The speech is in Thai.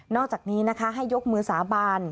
อกจากนี้นะคะให้ยกมือสาบาน